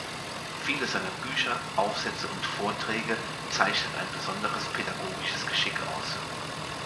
Viele seiner Bücher, Aufsätze und Vorträge zeichnet ein besonderes pädagogisches Geschick aus.